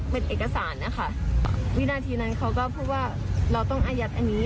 เป็นเอกสารนะคะวินาทีนั้นเขาก็พูดว่าเราต้องอายัดอันนี้